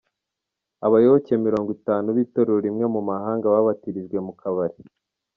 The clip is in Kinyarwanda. Abayoboke Mirongo Itanu bitorero rimwe Mumahanga babatirijwe mu kabari